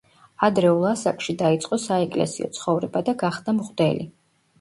ადრეულ ასაკში დაიწყო საეკლესიო ცხოვრება და გახდა მღვდელი.